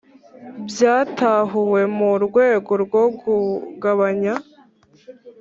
byatahuwe mu rwego rwo kugabanya